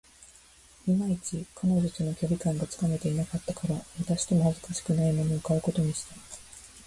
いまいち、彼女との距離感がつかめていなかったから、渡しても恥ずかしくないものを買うことにした